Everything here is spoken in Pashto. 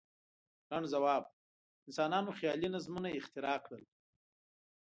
لنډ ځواب: انسانانو خیالي نظمونه اختراع کړل.